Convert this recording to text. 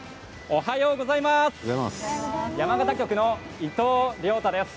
おはようございます。